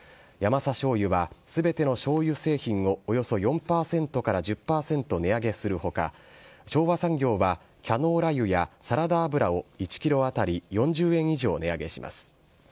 ヤマサ醤油は、すべてのしょうゆ製品を、およそ４％から１０％値上げするほか、昭和産業は、キャノーラ油やサラダ油を１キロ当たり４０円以上値上げします。